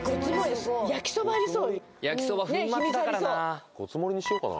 焼そば粉末だからな。